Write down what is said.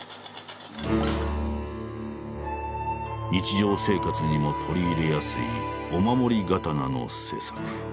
日常生活にも取り入れやすいお守り刀の制作。